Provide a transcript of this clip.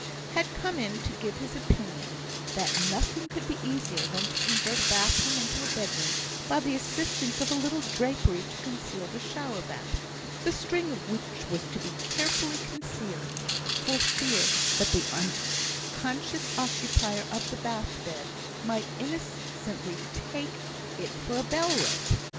had come in to give his opinion, that "nothing could be easier than to convert a bathroom into a bedroom, by the assistance of a little drapery to conceal the shower bath," the string of which was to be carefully concealed, for fear that the unconscious occupier of the bath bed might innocently take it for a bell rope.